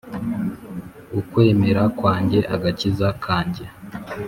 ukwemera kwanjye, agakiza kanjye!